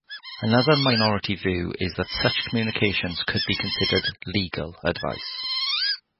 Another minority view is that such communications could be considered "legal" advice.